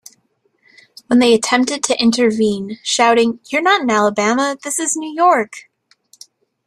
When they attempted to intervene, shouting, You're not in Alabama...this is New York!